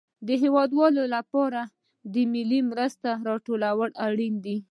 د هېوادوالو لپاره د مالي مرستو راټول اړين دي.